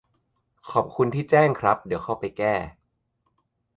ขอบคุณที่แจ้งครับ เดี๋ยวเข้าไปแก้